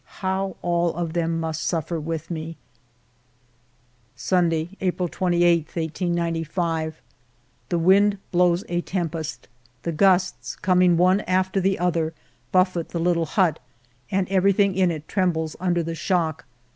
How all of them must suffer with me ! Sunday^ April 28, 1895. The wind blows a tempest. The gusts, com ing one after the other, buffet the little hut, and everything in it trembles under the shock.